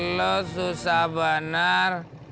lu susah benar